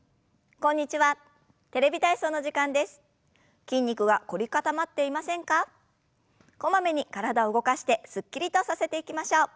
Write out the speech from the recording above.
こまめに体を動かしてすっきりとさせていきましょう。